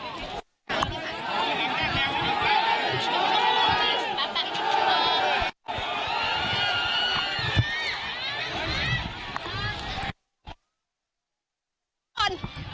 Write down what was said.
พระบุว่าจะมารับคนให้เดินทางเข้าไปในวัดพระธรรมกาลนะคะ